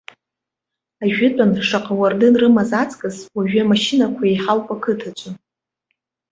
Ажәытәан шаҟа уардын рымаз аҵкыс уажәы амашьынақәа еиҳауп ақыҭаҿы.